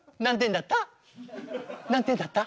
何点だった？